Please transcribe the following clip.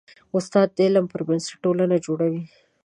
استاد د علم پر بنسټ ټولنه جوړوي.